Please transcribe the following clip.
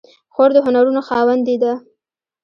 خور د هنرونو خاوندې ده.